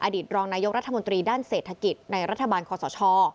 ตรองนายกรัฐมนตรีด้านเศรษฐกิจในรัฐบาลคอสช